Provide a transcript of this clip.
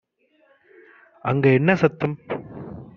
அங்க என்ன சத்தம்